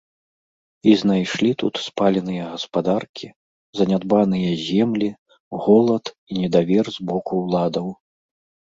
І знайшлі тут спаленыя гаспадаркі, занядбаныя землі, голад і недавер з боку ўладаў.